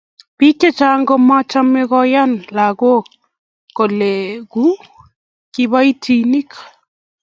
biik chechang' ko machamei keyai lagok koleku kiboitinik